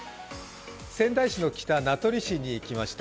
仙台市の北、名取市に来ました。